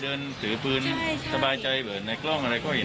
เดินถือปืนสบายใจเหมือนในกล้องอะไรก็เห็น